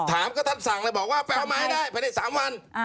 ถามก็ท่านสั่งเลยบอกว่าไปเอามาให้ได้ภายใน๓วัน